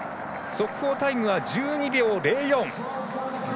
速報タイムは１２秒０４。